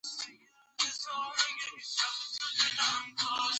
د تهران میټرو ډیره لویه ده.